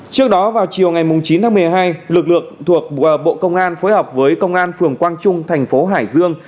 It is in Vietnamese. trước đó vào chiều ngày chín tháng một mươi hai lực lượng thuộc bộ công an phối hợp với công an phường quang trung thành phố hải dương